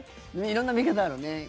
色んな見方あるね。